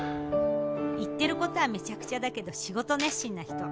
言ってる事はめちゃくちゃだけど仕事熱心な人。